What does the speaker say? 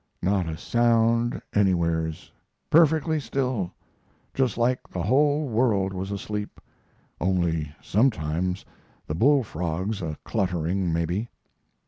Not a sound anywheres perfectly still just like the whole world was asleep, only sometimes the bullfrogs a cluttering, maybe.